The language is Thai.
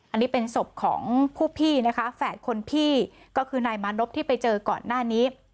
อันนี้เป็นศพของผู้พี่นะคะแฝดคนพี่ก็คือนายมานพที่ไปเจอก่อนหน้านี้